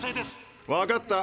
わかった。